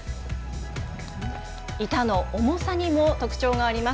板の重さにも特徴があります。